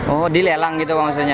oh dilelang gitu maksudnya